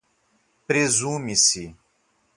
presume-se